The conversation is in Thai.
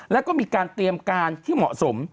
แล้วก็มีการเตรียมการที่เหมาะสม